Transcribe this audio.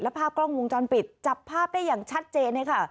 ภาพกล้องวงจรปิดจับภาพได้อย่างชัดเจนเลยค่ะ